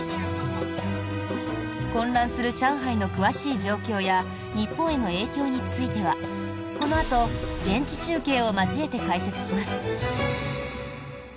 混乱する上海の詳しい状況や日本への影響についてはこのあと現地中継を交えて解説します。